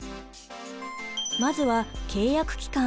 まずは契約期間。